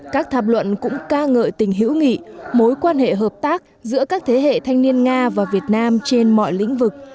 các tham luận cũng ca ngợi tình hữu nghị mối quan hệ hợp tác giữa các thế hệ thanh niên nga và việt nam trên mọi lĩnh vực